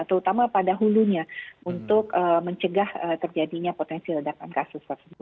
terutama pada hulunya untuk mencegah terjadinya potensi ledakan kasus tersebut